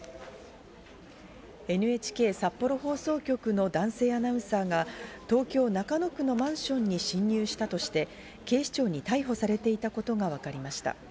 ＮＨＫ札幌放送局の男性アナウンサーが東京・中野区のマンションに侵入したとして警視庁に逮捕されていたことがわかりました。